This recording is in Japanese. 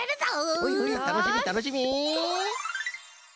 ほいほいたのしみたのしみ！